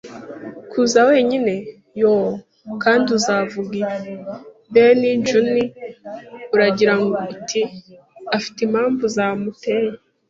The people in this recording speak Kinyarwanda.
kuza wenyine. Yoo! Kandi uzavuga ibi: 'Ben Gunn,' uragira uti: 'afite impamvu zamuteye